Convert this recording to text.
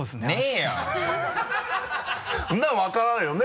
そんなの分からんよね？